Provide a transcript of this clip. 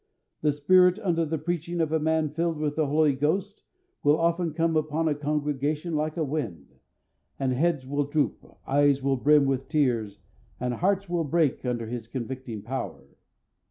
The Spirit under the preaching of a man filled with the Holy Ghost will often come upon a congregation like a wind, and heads will droop, eyes will brim with tears, and hearts will break under His convicting power.